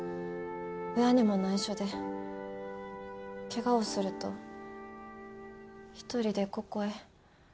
親にも内緒で怪我をすると一人でここへ。